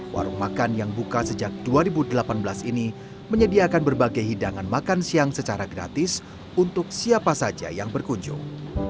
warung makan yang buka sejak dua ribu delapan belas ini menyediakan berbagai hidangan makan siang secara gratis untuk siapa saja yang berkunjung